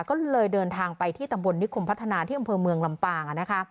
ก็เลยเดินทางไปที่ตำบลนิคมพัฒนาที่อำเภอเมืองลำปางนะคะ